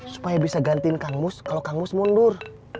supaya bisa gantiin kang mus kalau kang mus mundur